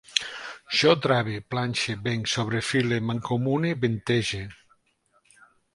Jo trave, planxe, venc, sobrefile, mancomune, ventege